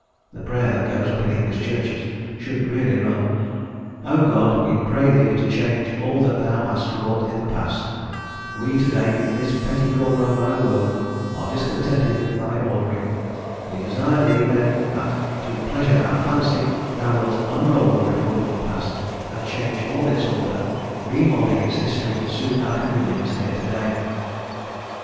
The Prayer that goes up in English churches should really run: "O God, we pray thee to change all that thou hast wrought in the past; we, to day, in this petty corner of thy world, are discontented with thy ordering; we desire of thee, then, that, to pleasure our fancy, thou wilt unroll the record of the past, and change all its order, remoulding its history to suit our convenience here to day."